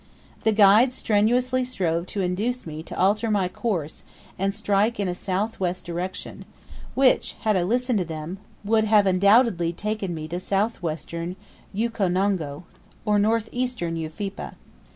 The guides strenuously strove to induce me to alter my course and strike in a south west direction, which, had I listened to them, would have undoubtedly taken me to South western Ukonongo, or North eastern Ufipa.